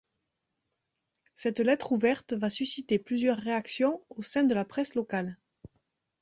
Cette lettre ouverte va susciter plusieurs réactions au sein de la presse locale.